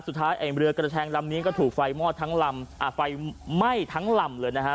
ไอ้เรือกระแทงลำนี้ก็ถูกไฟมอดทั้งลำไฟไหม้ทั้งลำเลยนะฮะ